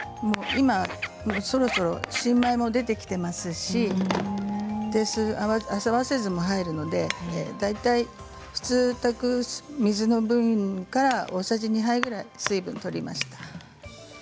そろそろ新米も出てきていますし合わせ酢も入りますので大体普通に炊く水の分量から大さじ２杯ぐらい水分を取りました。